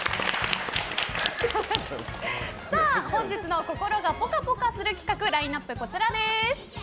本日の心がぽかぽかする企画ラインアップはこちらです。